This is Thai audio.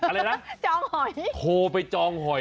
อะไรนะโทรไปจองหอยจองหอย